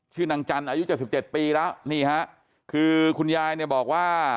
ชื่อนางจันทร์อายุเจ้าสิบเจ็ดปีแล้วนี่ฮะคือคุณยายเนี่ยบอกว่า